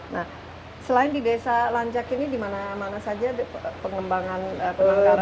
nah selain di desa lanjak ini di mana mana saja pengembangan penangkapan